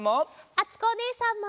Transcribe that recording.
あつこおねえさんも。